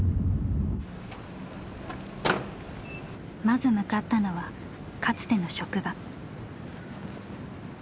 まず向かったのはかつての職場。